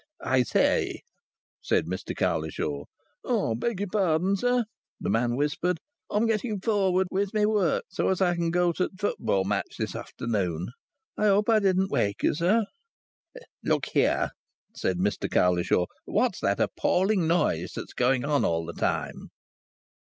"I say!" said Mr Cowlishaw. "Beg yer pardon, sir," the man whispered. "I'm getting forward with my work so as I can go to th' fut baw match this afternoon. I hope I didn't wake ye, sir." "Look here!" said Mr Cowlishaw. "What's that appalling noise that's going on all the time?"